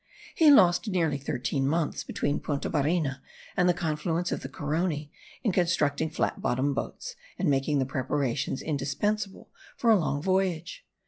He lost nearly thirteen months between Punta Barina and the confluence of the Carony in constructing flat bottomed boats, and making the preparations indispensable for a long voyage.